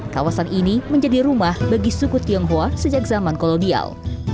kawasan ini menjadi rumah bagi suku tionghoa sejak zaman kolonial